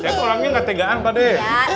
saya tuh orangnya gak tegaan pak deh